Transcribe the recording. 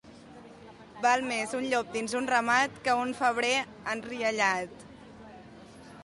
Val més un llop dins un ramat que un febrer enriallat.